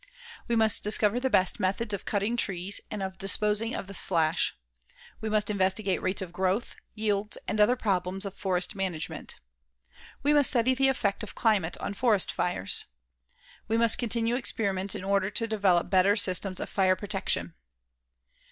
We must discover the best methods of cutting trees and of disposing of the slash. We must investigate rates of growth, yields and other problems of forest management. We must study the effect of climate on forest fires. We must continue experiments in order to develop better systems of fire protection.